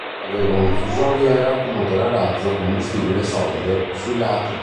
Aveva una fusoliera con motore a razzo a combustibile solido sui lati.